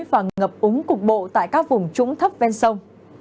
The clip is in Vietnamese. và ngập úng cục bộ tại các vùng trúng thẳng